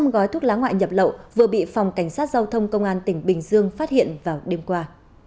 một mươi tám trăm linh gói thuốc lá ngoại nhập lậu vừa bị phòng cảnh sát giao thông công an tỉnh bình dương phát hiện vào đêm qua